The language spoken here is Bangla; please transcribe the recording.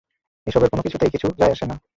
এসবের কোনোকিছুতেই কিছু যায় আসে না।